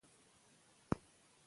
که سیالي وي نو هڅه نه کمېږي.